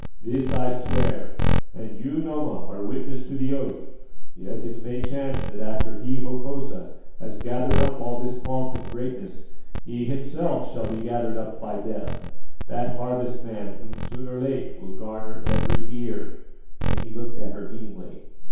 This I swear, and you, Noma, are witness to the oath. Yet it may chance that after he, Hokosa, has gathered up all this pomp and greatness, he himself shall be gathered up by Death, that harvest man whom soon or late will garner every ear;" and he looked at her meaningly.